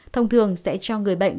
thông thường sẽ cho người bệnh